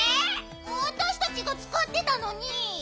あたしたちがつかってたのに。